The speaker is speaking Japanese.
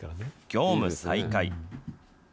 業務再開。